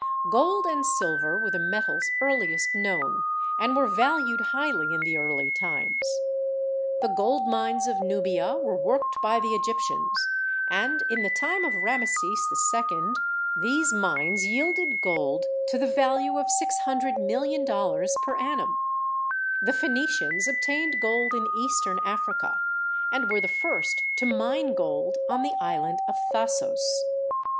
Gold and silver were the metals earliest known and were valued highly in the early times. The gold mines of Nubia were worked by the Egyptians, and in the time of Rameses II. these mines yielded gold to the value of $600,000,000 per annum. The Phoenicians obtained gold in Eastern Africa and were the first to mine gold on the Island of Thasos.